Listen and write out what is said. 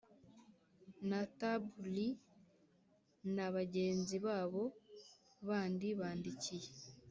na Tab li na bagenzi babo bandi bandikiye